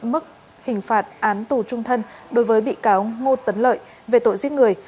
mức hình phạt án tù trung thân đối với bị cáo ngô tấn lợi về tội giết người